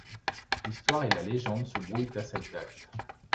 L'histoire et la légende se brouillent à cette date.